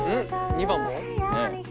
２番も？